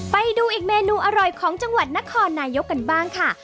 ไปดูอีกเมนูอร่อยของจังหวัดนครนายกกันบ้างค่ะ